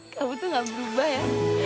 kamu tuh gak berubah ya